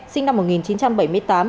sinh năm một nghìn chín trăm bảy mươi tám